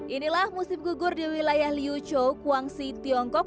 inilah musim gugur di wilayah liuzhou guangxi tiongkok